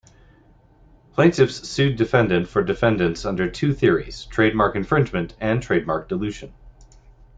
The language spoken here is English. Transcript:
Plaintiff's sued Defendant for Defendant's under two theories: trademark infringement and trademark dilution.